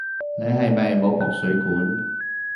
你係咪冇駁水管？